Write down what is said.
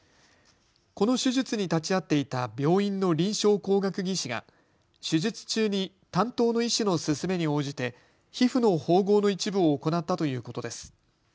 この手術に立ち会っていた病院の臨床工学技士が手術中に担当の医師の勧めに応じて皮膚の縫合の一部を行ったということです。